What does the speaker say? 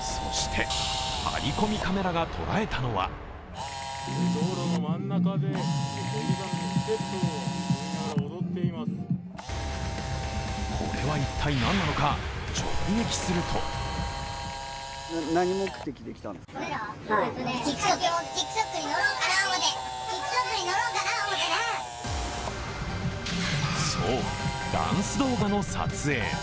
そしてハリコミカメラが捉えたのはこれは一体何なのか直撃するとそう、ダンス動画の撮影。